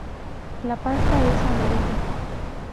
La pasta es amarilla.